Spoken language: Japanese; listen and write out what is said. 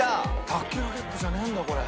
卓球ラケットじゃねえんだこれ。